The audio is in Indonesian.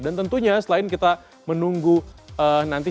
dan tentunya selain kita menunggu nanti